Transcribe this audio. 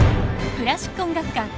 「クラシック音楽館」。